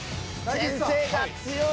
先生が強い。